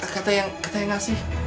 kata yang kata yang ngasih